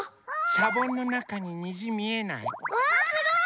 シャボンのなかににじみえない？わすごい！